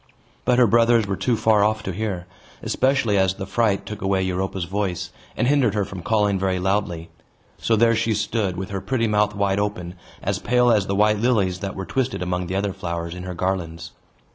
But her brothers were too far off to hear; especially as the fright took away Europa's voice, and hindered her from calling very loudly. So there she stood, with her pretty mouth wide open, as pale as the white lilies that were twisted among the other flowers in her garlands.